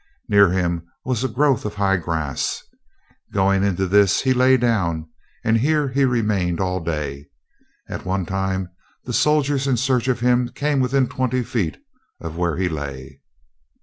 Near him was a growth of high grass. Going into this he lay down; and here he remained all day. At one time the soldiers in search of him came within twenty feet of where he lay.